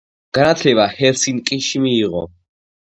განათლება ჰელსინკიში მიიღო.